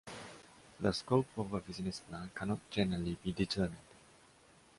The scope of a business plan cannot generally be determined.